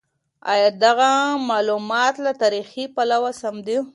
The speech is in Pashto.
ایا دغه مالومات له تاریخي پلوه سم دي؟